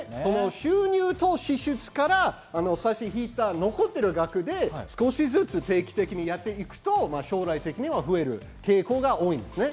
収入と支出から差し引いた残っている額で少しずつ定期的にやっていくと将来的に増える傾向が多い。